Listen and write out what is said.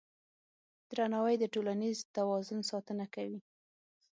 درناوی د ټولنیز توازن ساتنه کوي.